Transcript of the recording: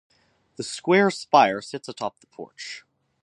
The square spire sits atop the porch.